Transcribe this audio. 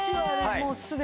もうすでに。